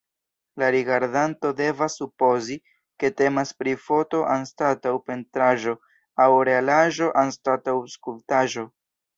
La rigardanto devas supozi, ke temas pri foto anstataŭ pentraĵo aŭ realaĵo anstataŭ skulptaĵo.